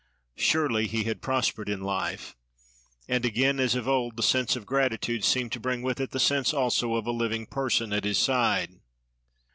Surely, he had prospered in life! And again, as of old, the sense of gratitude seemed to bring with it the sense also of a living person at his side.